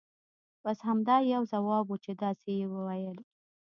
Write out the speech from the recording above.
بس همدا یو ځواب وو چې داسې یې ویل.